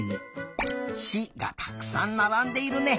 「し」がたくさんならんでいるね。